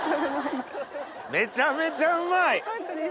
めちゃめちゃうまい！